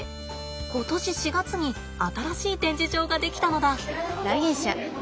今年４月に新しい展示場が出来たのだ！